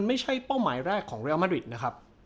มันไม่ใช่เป้าหมายแรกของเรียลมะริตนะครับ